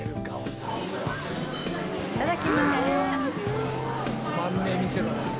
いただきます。